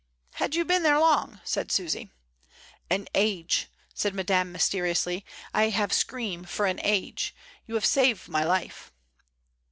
"Had you been there long?" said Susy. "An age," said Madame mysteriously. "I have scream for an age. You 'ave save my life."